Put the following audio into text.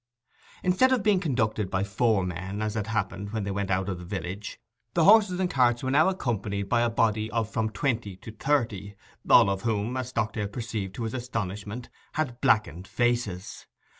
Instead of being conducted by four men, as had happened when they went out of the village, the horses and carts were now accompanied by a body of from twenty to thirty, all of whom, as Stockdale perceived to his astonishment, had blackened faces.